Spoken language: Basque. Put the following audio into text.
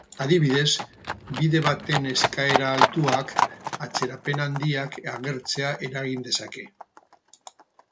Adibidez, bide baten eskaera altuak atzerapen handiak agertzea eragin dezake.